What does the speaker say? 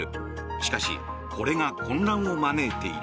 しかしこれが混乱を招いている。